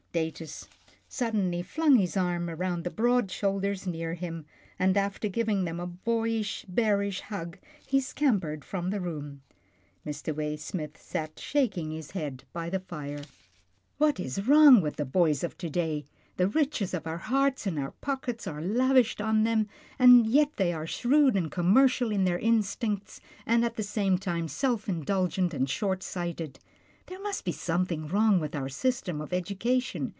Datus suddenly flung his arms round the broad shoulders near him, and after giving them a boy ish, bearish hug, he scampered from the room. Mr. Waysmith sat shaking his head by the fire. 78 'TILDA JANE'S ORPHANS " What is wrong with the boys of to day ? The riches of our hearts and our pockets are lavished on them, and yet they are shrewd and commercial in their instincts, and at the same time self indul gent and short sighted. There must be something wrong with our system of education.